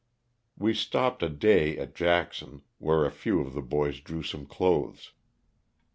We stopped a day at Jackson, where a few of the boys drew some clothes.